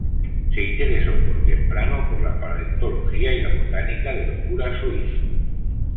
Se interesó por temprano por la paleontología y la botánica del Jura suizo.